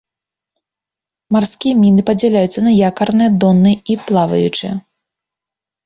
Марскія міны падзяляюцца на якарныя, донныя і плаваючыя.